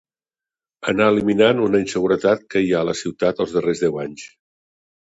Anar eliminant una inseguretat que hi ha a la ciutat els darrers deu anys